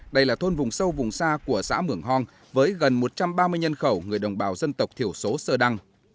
đây là thôn vùng sâu vùng xa của xã mường hong với gần một trăm ba mươi nhân khẩu người đồng bào dân tộc thiểu số sơ đăng